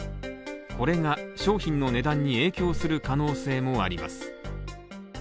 これが商品の値段に影響する可能性もあります。